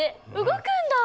動くんだ！